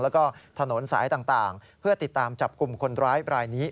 แล้วก็ถนนสายต่างเพื่อติดตามจับกลุ่มคนร้ายบรายนี้